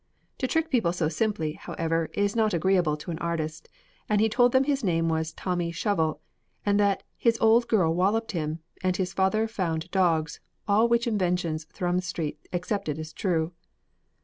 To trick people so simply, however, is not agreeable to an artist, and he told them his name was Tommy Shovel, and that his old girl walloped him, and his father found dogs, all which inventions Thrums Street accepted as true.